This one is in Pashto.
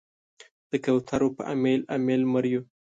د کوترو په امیل، امیل مریو